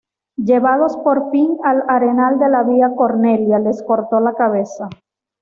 Llevados por fin al arenal de la Vía Cornelia, les cortó la cabeza.